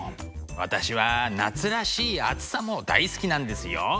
私は夏らしい暑さも大好きなんですよ。